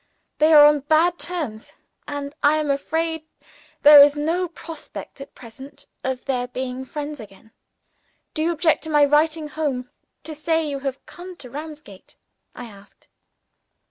They are on bad terms; and I am afraid there is no prospect, at present, of their being friends again. Do you object to my writing home to say you have come to Ramsgate?" I asked.